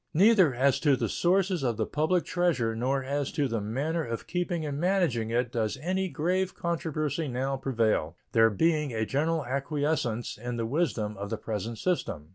Neither as to the sources of the public treasure nor as to the manner of keeping and managing it does any grave controversy now prevail, there being a general acquiescence in the wisdom of the present system.